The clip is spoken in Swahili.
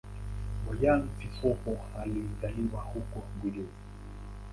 Bojang-Sissoho alizaliwa huko Gunjur.